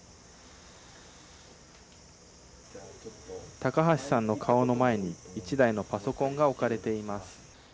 高橋さんの顔の前に、１台のパソコンが置かれています。